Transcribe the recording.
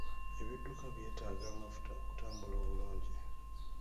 Ebidduka byetaaga amafuta okutambula obulungi.